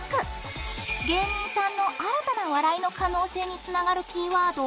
芸人さんの新たな笑いの可能性につながるキーワード